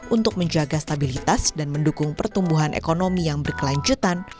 untuk menjaga stabilitas dan mendukung pertumbuhan ekonomi yang berkelanjutan